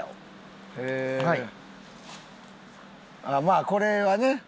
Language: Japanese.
あっまあこれはね。